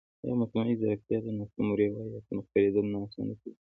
ایا مصنوعي ځیرکتیا د ناسمو روایتونو خپرېدل نه اسانه کوي؟